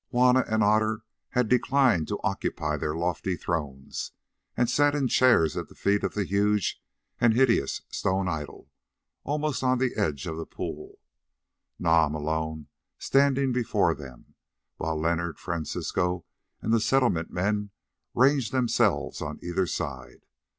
Juanna and Otter had declined to occupy their lofty thrones, and sat in chairs at the feet of the huge and hideous stone idol, almost on the edge of the pool, Nam alone standing before them, while Leonard, Francisco, and the Settlement men ranged themselves on either side.